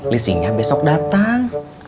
lisingnya besok datang